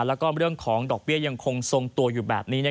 แล้วก็เรื่องของดอกเบี้ยยังคงทรงตัวอยู่แบบนี้